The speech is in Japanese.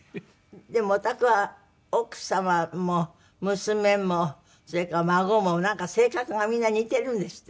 でもお宅は奥様も娘もそれから孫も性格がみんな似てるんですって？